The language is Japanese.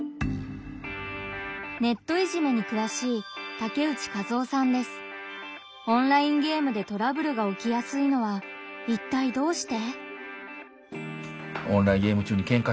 ネットいじめにくわしいオンラインゲームでトラブルが起きやすいのはいったいどうして？